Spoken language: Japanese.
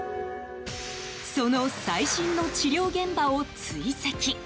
その最新の治療現場を追跡。